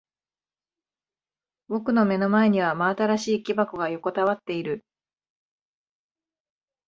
僕の目の前には真新しい木箱が横たわっている。